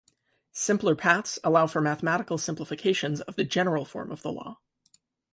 Simpler paths allow for mathematical simplifications of the general form of the law.